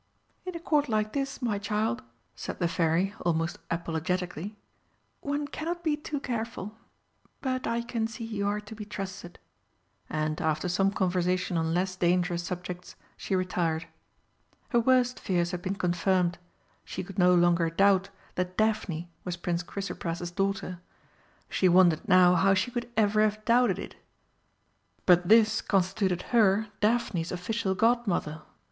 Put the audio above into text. "In a Court like this, my child," said the Fairy, almost apologetically, "one cannot be too careful. But I can see you are to be trusted." And, after some conversation on less dangerous subjects, she retired. Her worst fears had been confirmed; she could no longer doubt that Daphne was Prince Chrysopras's daughter. She wondered now how she could ever have doubted it. But this constituted her Daphne's official Godmother.